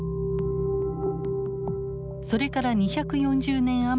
それから２４０年余りたった